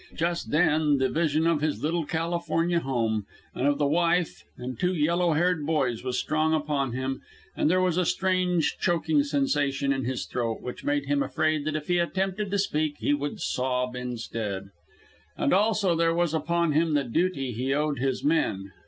Just then the vision of his little California home, and of the wife and two yellow haired boys, was strong upon him, and there was a strange, choking sensation in his throat, which made him afraid that if he attempted to speak he would sob instead. And also there was upon him the duty he owed his men.